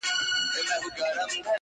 بې خبره له جهانه؛